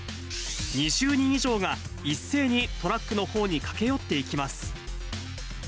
２０人以上が一斉にトラックのほうに駆け寄っていきます。